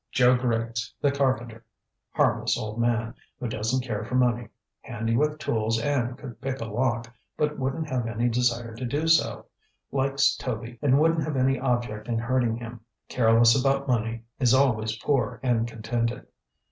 Joe Griggs, the carpenter. Harmless old man, who doesn't care for money. Handy with tools and could pick a lock, but wouldn't have any desire to do so. Likes Toby and wouldn't have any object in hurting him; careless about money; is always poor and contented.